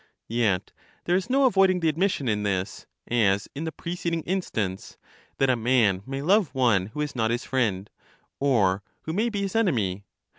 Yet there is no avoiding the admission in this, as in the preceding instance, that a man may love one who is not his friend, or who may be his enemy.